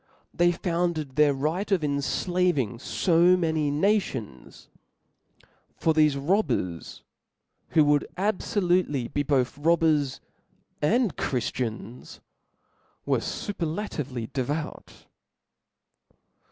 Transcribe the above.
hey founded their right of en M«xi«>, fl4ving fo many nations: for thefe robbers, whoan/that would abfolutely be both robbers and Chriftians, b^^oJIJ;.!. were fuperlatively devout.